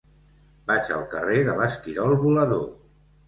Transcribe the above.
Vaig al carrer de l'Esquirol Volador.